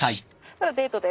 それはデートで？